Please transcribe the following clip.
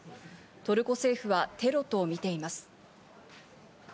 トルコ政府はテロとみています。